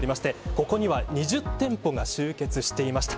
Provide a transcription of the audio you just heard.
ここには２０店舗が集結していました。